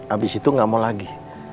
abis itu nggak mau lagi